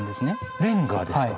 レンガですか？